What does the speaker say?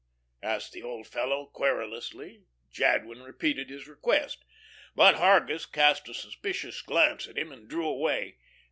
asked the old fellow querulously. Jadwin repeated his request. But Hargus cast a suspicious glance at him and drew away.